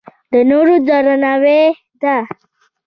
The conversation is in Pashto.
د نورو درناوی ده.